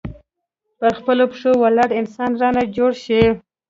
پر خپلو پښو ولاړ انسان رانه جوړ شي.